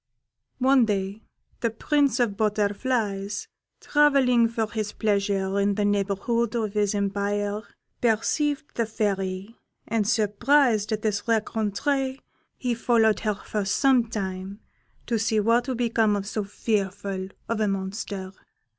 One day the Prince of the Butterflies, travelling for his pleasure in the neighbourhood of his empire, perceived the Fairy, and surprised at this rencontre he followed her for some time to see what would become of so fearful a monster.